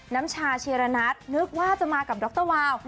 น้ำชาชีระนัทนึกว่าจะมากับดรวาว